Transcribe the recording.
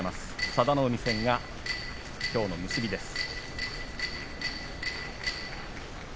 佐田の海戦はきょうの結びです。